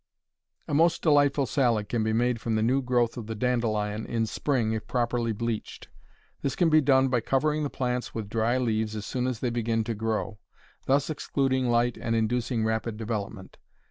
A most delightful salad can be made from the new growth of the dandelion, in spring, if properly bleached. This can be done by covering the plants with dry leaves as soon as they begin to grow, thus excluding light and inducing rapid development.